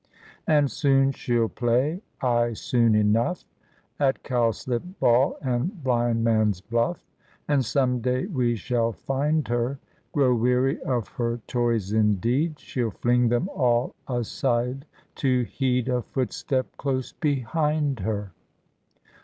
And soon she'll play, ay soon enough, At cowslip ball and blindman^s buff; And some day we shall find her Grow weary of her toys indeed, She'll fling them all aside to heed A footstep close behind her!